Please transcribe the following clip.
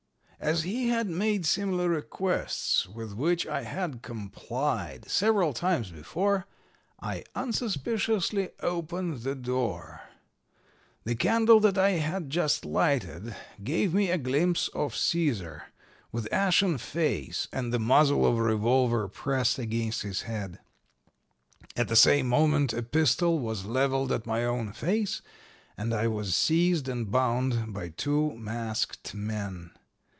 As he had made similar requests, with which I had complied, several times before, I unsuspiciously opened the door. "The candle that I had just lighted gave me a glimpse of Cæsar, with ashen face and the muzzle of a revolver pressed against his head. At the same moment a pistol was leveled at my own face and I was seized and bound by two masked men.